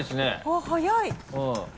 あっ速い。